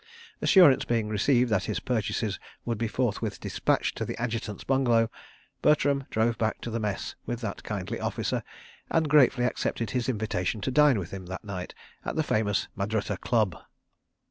Assurance being received that his purchases would be forthwith dispatched to the Adjutant's bungalow, Bertram drove back to the Mess with that kindly officer, and gratefully accepted his invitation to dine with him, that night, at the famous Madrutta Club.